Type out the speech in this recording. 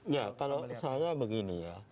ya kalau saya begini ya